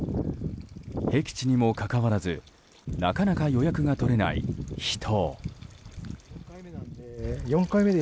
へき地にもかかわらずなかなか予約が取れない秘湯。